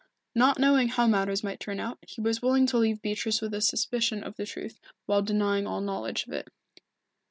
Not knowing how matters might turn out, he was willing to leave Beatrice with a suspicion of the truth, while denying all knowledge of it.